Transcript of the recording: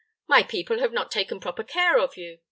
My people have not taken proper care of you.